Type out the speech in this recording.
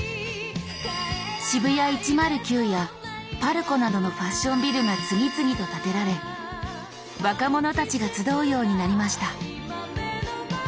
ＳＨＩＢＵＹＡ１０９やパルコなどのファッションビルが次々と建てられ若者たちが集うようになりました